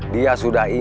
dia sudah ingin